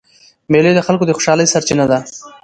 مېلې د خلکو د خوشحالۍ سرچینه ده.